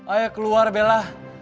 ayo keluar bella